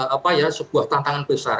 apa ya sebuah tantangan besar